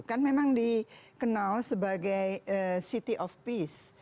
kan memang dikenal sebagai city of peace